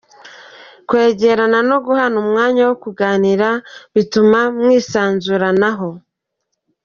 Kwegerana no guhana umwanya wo kuganira bituma mwisanzuranaho.